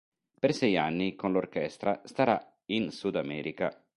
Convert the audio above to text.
Per sei anni con l'orchestra starà in Sud America.